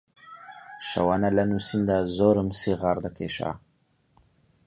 شەوانە لە نووسیندا زۆرم سیغار دەکێشا